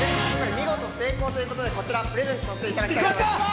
◆見事成功ということでこちら、プレゼントさせていただきたいと思います。